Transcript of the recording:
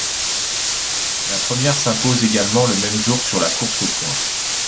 La première s'impose également le même jour sur la course au points.